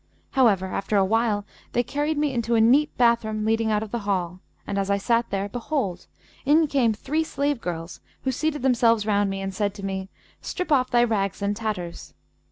However, after a while, they carried me into a neat bath room leading out of the hall; and as I sat there, behold, in came three slave girls who seated themselves round me and said to me, 'Strip off thy rags and tatters.'